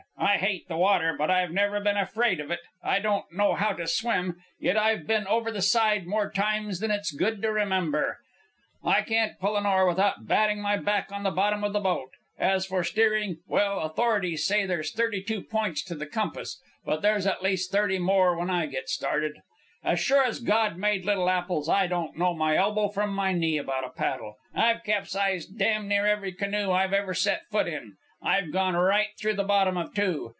I hate the water, but I've never been afraid of it. I don't know how to swim, yet I've been over the side more times than it's good to remember. I can't pull an oar without batting my back on the bottom of the boat. As for steering well, authorities say there's thirty two points to the compass, but there's at least thirty more when I get started. And as sure as God made little apples, I don't know my elbow from my knee about a paddle. I've capsized damn near every canoe I ever set foot in. I've gone right through the bottom of two.